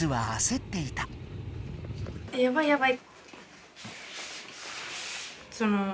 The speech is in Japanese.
やばいやばい！